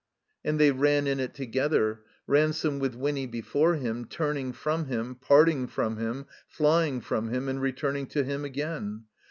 And they ran in it together, Ransome with Winny before him, turning from him, parting from him, flying from him, and returning to him again.